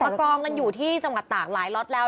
กองกันอยู่ที่จังหวัดตากหลายล็อตแล้ว